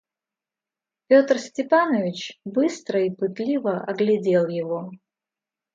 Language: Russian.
Петр Степанович быстро и пытливо оглядел его.